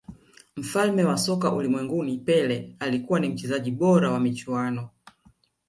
mfalme wa soka ulimwenguni pele alikuwa ni mchezaji bora wa michuano